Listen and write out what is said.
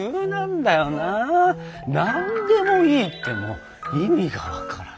「何でもいい」って意味がわからない。